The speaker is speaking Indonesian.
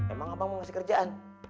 emang abang mau ngasih kerjaan